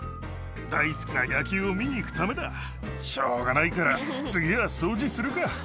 大好きな野球を見に行くためだ、しょうがないから次は掃除するか。